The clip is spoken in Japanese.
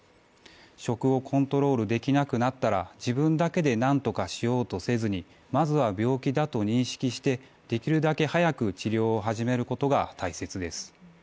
食をコントロールできなくなったら自分だけで何とかしようとせずに、まずは病気だと認識して、できるだけ早く治療を始めることが大切です。